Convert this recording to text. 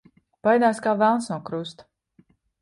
Baidās kā velns no krusta.